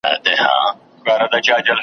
چي یې منع کړي له غلا بلا وهلی .